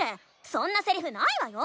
そんなセリフないわよ！